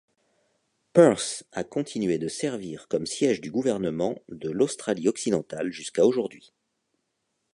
Perth a continué de servir comme siège du gouvernement de l'Australie-Occidentale jusqu'à aujourd'hui.